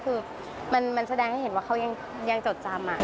คือมันแสดงให้เห็นว่าเขายังจดจำ